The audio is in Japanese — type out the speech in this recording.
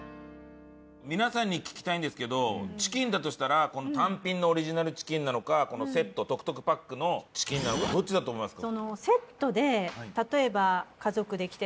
皆さんに聞きたいんですけどチキンだとしたらこの単品のオリジナルチキンなのかこのセットトクトクパックのチキンなのかどっちだと思います？